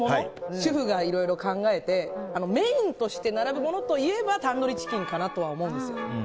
主婦がいろいろ考えてメインとして並ぶものといえばタンドリーチキンかなとは思うんですよ。